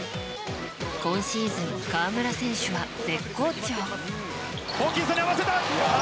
今シーズン、河村選手は絶好調。